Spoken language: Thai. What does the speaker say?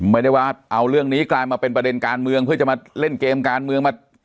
ไม่ได้ว่าเอาเรื่องนี้กลายมาเป็นประเด็นการเมืองเพื่อจะมาเล่นเกมการเมืองมา